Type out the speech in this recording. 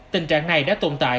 tình trạng này đã tồn tại